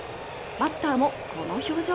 バッターもこの表情。